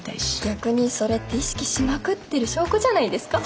逆にそれって意識しまくってる証拠じゃないですか？